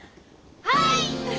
はい！